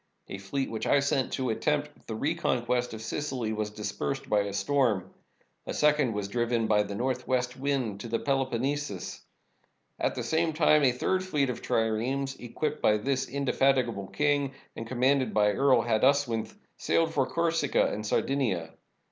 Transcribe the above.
A fleet which I sent to attempt the reconquest of Sicily was dispersed by a storm. A second was driven by the northwest wind to the Pelo ponnesus. At the same time a third fleet of triremes, equipped by this indefatigable king and commanded by Earl Haduswinth, sailed for Corsica and Sardinia.